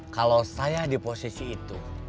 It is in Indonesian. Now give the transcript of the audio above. kalau saya di posisi itu